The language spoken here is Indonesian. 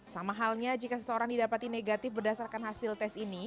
sama halnya jika seseorang didapati negatif berdasarkan hasil tes ini